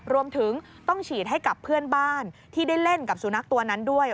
รวมถึงต้องฉีดให้กับเพื่อนบ้านที่ได้เล่นกับสุนัขตัวนั้นด้วย